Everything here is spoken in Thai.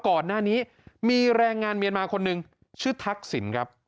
ก่อนหน้านี้มีแรงงานเมียนมาคนหนึ่งชื่อทักษิณครับ